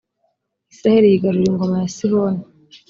israheli yigarurira ingoma ya sihoni